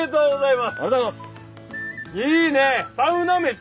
いいね！